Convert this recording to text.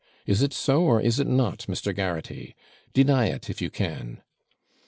Is it so, or is it not, Mr. Garraghty? deny it, if you can.'